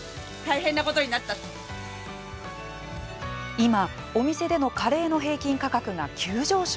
今、お店でのカレーの平均価格が急上昇。